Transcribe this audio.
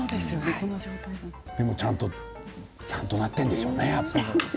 でも、ちゃんとなっているんでしょうね。